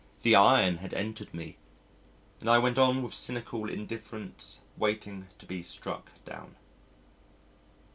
The iron had entered me, and I went on with cynical indifference waiting to be struck down.